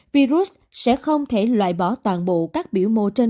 virus sẽ không thể loại bỏ toàn bộ các biểu mô trên bề mặt